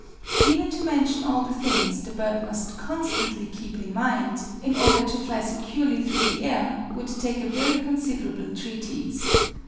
Even to mention all the things the bird must constantly keep in mind in order to fly securely through the air would take a very considerable treatise.